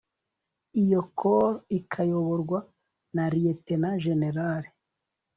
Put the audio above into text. iyo coprs ikayoborwa na lieutenant general